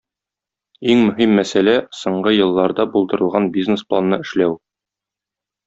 Иң мөһим мәсьәлә - соңгы елларда булдырылган бизнес-планны эшләү.